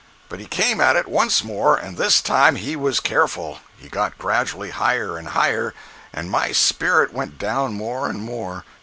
But he came at it once more, and this time he was careful. He got gradually higher and higher, and my spirits went down more and more.